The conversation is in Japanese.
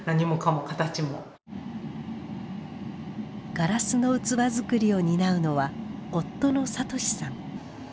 ガラスの器作りを担うのは夫の聡さん。